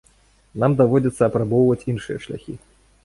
Нам даводзіцца апрабоўваць іншыя шляхі.